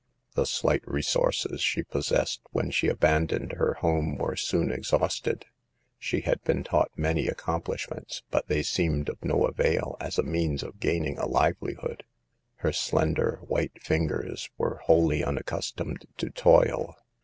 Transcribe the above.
The slight resources she possessed when she abandoned her home were soon exhausted. She had been taught many accomplishments, but they seemed of no avail as a means of gaining a livelihood. Her slender, white fingers were wholly unaccustomed to toil.